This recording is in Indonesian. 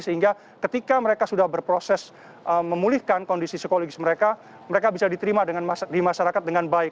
sehingga ketika mereka sudah berproses memulihkan kondisi psikologis mereka mereka bisa diterima di masyarakat dengan baik